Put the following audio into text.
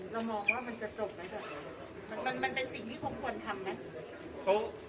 เรามองว่ามันจะจบนะครับมันเป็นสิ่งที่คงควรทำนะ